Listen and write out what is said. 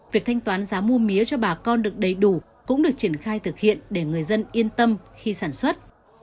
việc thanh toán giá mua mía cho bà con được đầy đủ cũng được triển khai thực hiện để người dân yên tâm khi sản xuất